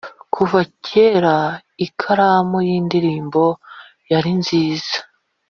kuva kera ikaramu yindirimbo yari nziza